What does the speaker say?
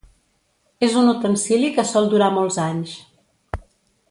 És un utensili que sol durar molts anys.